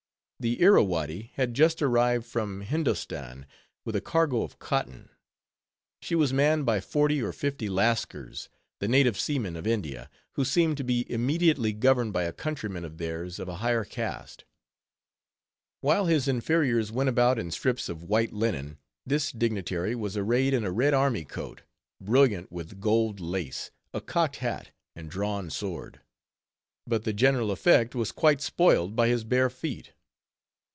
_ The Irrawaddy had just arrived from Hindostan, with a cargo of cotton. She was manned by forty or fifty Lascars, the native seamen of India, who seemed to be immediately governed by a countryman of theirs of a higher caste. While his inferiors went about in strips of white linen, this dignitary was arrayed in a red army coat, brilliant with gold lace, a cocked hat, and drawn sword. But the general effect was quite spoiled by his bare feet.